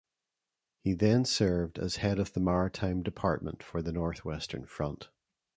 He then served as head of the Maritime Department for the Northwestern Front.